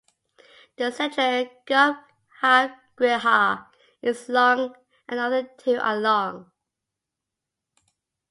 The central garbhagriha is long and other two are long.